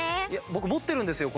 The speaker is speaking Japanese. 僕持ってるんですよ